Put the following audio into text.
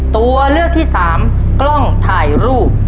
ตัวเลือกที่สามกล้องถ่ายรูป